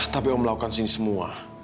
tapi yang melakukan sini semua